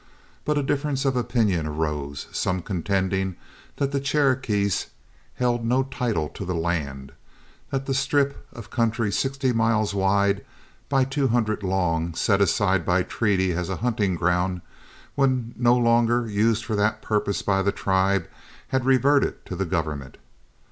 But a difference of opinion arose, some contending that the Cherokees held no title to the land; that the strip of country sixty miles wide by two hundred long set aside by treaty as a hunting ground, when no longer used for that purpose by the tribe, had reverted to the government.